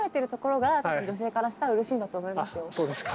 そうですか。